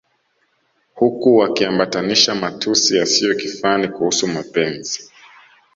huku wakiambatanisha matusi yasiyo kifani kuhusu mapenzi